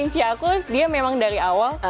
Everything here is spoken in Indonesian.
ini cia kru dia memang dari awal